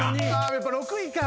やっぱ６位か。